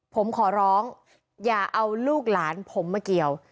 ผมขอร้องอย่าเอาลูกหลานผมมาเกี่ยว